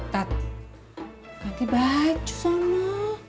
tat ganti baju sama